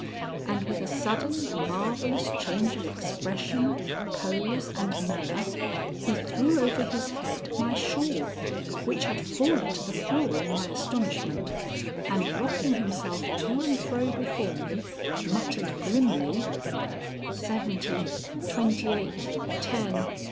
And with a sudden marvellous change of expression, pose, and manner he threw over his head my shawl, which had fallen to the floor in my astonishment, and, rocking himself to and fro before me, muttered grimly: "Seventy! Twenty eight! Ten!